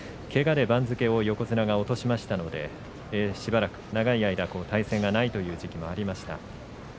けがで番付を横綱が落としましたので長い間、対戦がないという時期もありました。